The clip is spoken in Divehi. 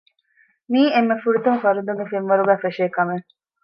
މިއީ އެންމެ ފުރަތަމަ ފަރުދުންގެ ފެންވަރުގައި ފެށޭ ކަމެއް